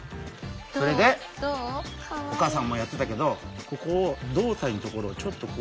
それでお母さんもやってたけどここを胴体の所をちょっと。